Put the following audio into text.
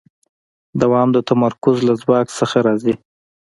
دوام د تمرکز له ځواک نه راځي.